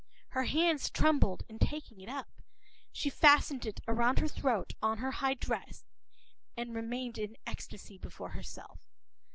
Her hands trembled in taking it up. She fastened it round her throat, on her high dress, and remained in ecstasy before herself.